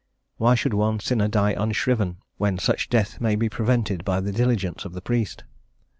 Why should one sinner die unshriven, when such death may be prevented by the diligence of the priest?